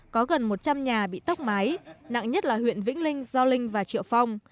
có gần một trăm linh nhà bị tốc mái nặng nhất là huyện vĩnh linh do linh và triệu phong